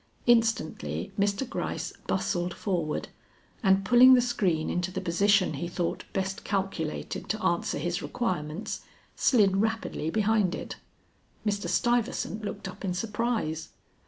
Instantly Mr. Gryce bustled forward, and pulling the screen into the position he thought best calculated to answer his requirements, slid rapidly behind it. Mr. Stuyvesant looked up in surprise.